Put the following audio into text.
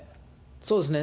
そうですね。